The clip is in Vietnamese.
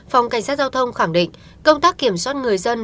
phòng cảnh sát giao thông khẳng định công tác kiểm soát người dân